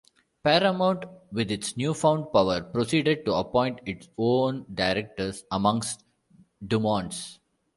Paramount with its newfound power proceeded to appoint its own directors amongst DuMont's.